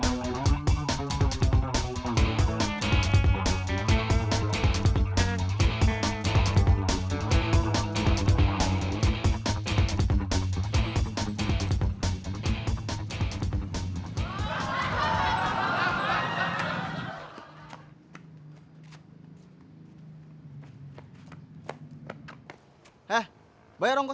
lanjutkan begini pak